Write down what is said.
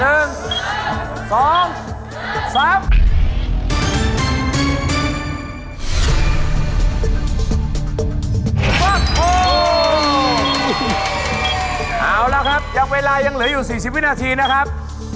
เอาละครับยังเวลายังเหลืออยู่๔๐วินาทีนะครับ